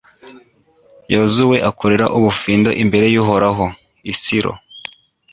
yozuwe abakorera ubufindo imbere y'uhoraho, i silo